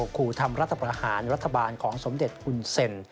ครูทำรัฐประหารรัฐบาลของสมเด็จหุ่นเซ็น